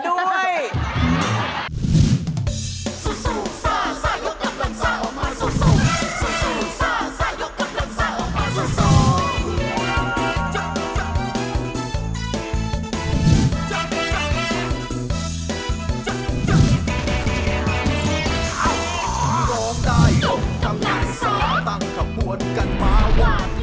เด็กยกยกยากยาก